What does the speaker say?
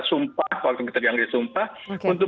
sumpah waktu kita dianggap disumpah untuk